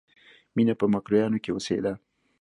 مینه په مکروریانو کې اوسېده